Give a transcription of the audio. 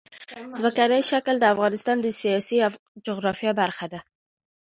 ځمکنی شکل د افغانستان د سیاسي جغرافیه برخه ده.